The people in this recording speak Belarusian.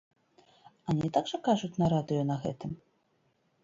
А не так жа кажуць на радыё на гэтым?!